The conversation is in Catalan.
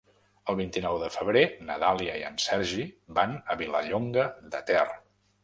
El vint-i-nou de febrer na Dàlia i en Sergi van a Vilallonga de Ter.